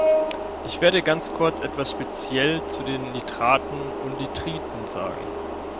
Ich werde ganz kurz etwas speziell zu den Nitraten und Nitriten sagen.